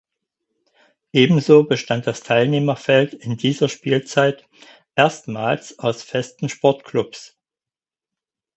Ebenso bestand das Teilnehmerfeld in dieser Spielzeit erstmals aus festen Sportklubs.